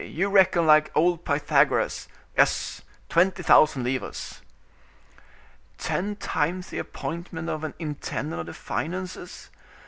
you reckon like old Pythagoras; yes, twenty thousand livres." "Ten times the appointment of an intendant of the finances.